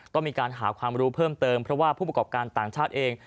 ต้องมีการหาความรู้เพิ่มเติมเพราะว่าผู้ประกอบการต่างชาติเอง